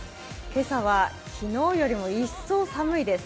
今朝は昨日よりも一層寒いです。